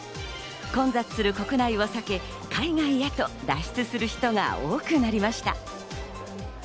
混雑する国内を避け、海外へと脱出する人が多くなりました。